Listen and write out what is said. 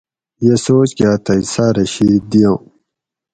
یہ سوچ کاۤ تھئ ساۤرہ شید دیام